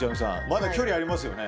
まだ距離ありますよね。